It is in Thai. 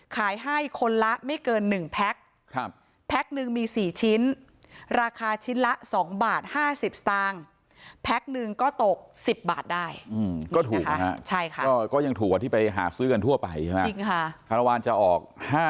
ขายให้คนละไม่เกิน๑แพ็ค